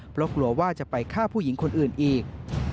เพราะกลัวว่าจะไปฆ่าผู้หญิงคนอื่นอีก